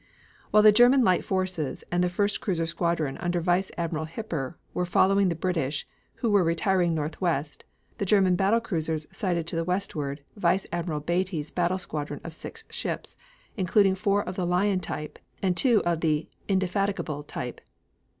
While the German light forces and the first cruiser squadron under Vice Admiral Hipper were following the British, who were retiring north westward, the German battle cruisers sighted to the westward Vice Admiral Beatty's battle squadron of six ships, including four of the Lion type and two of the Indefatigable type.